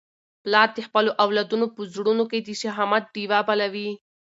پلار د خپلو اولادونو په زړونو کي د شهامت ډېوه بلوي.